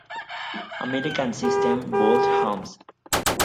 American System-Built Homes